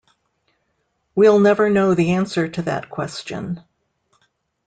We'll never know the answer to that question.